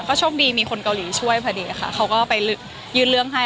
โชคดีมีคนเกาหลีช่วยพอดีค่ะเขาก็ไปยื่นเรื่องให้